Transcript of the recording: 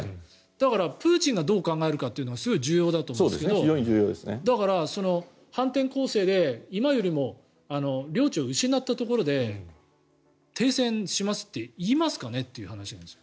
だから、プーチンがどう考えるかってすごい重要だと思うんですけどだから反転攻勢で今よりも領地を失ったところで停戦しますって言いますかねって話なんです。